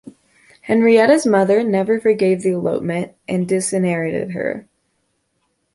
Henrietta's mother never forgave the elopement, and disinherited her.